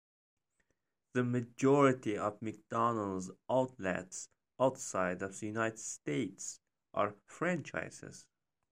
The majority of McDonald's outlets outside of the United States are franchises.